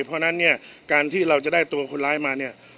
เพราะฉะนั้นเนี่ยการที่เราจะได้ตัวคนร้ายมาเนี่ย